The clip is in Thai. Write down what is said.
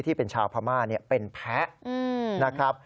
ที่เป็นชาวพม่าเป็นแพ้นะครับ